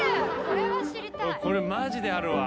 俺これマジであるわ。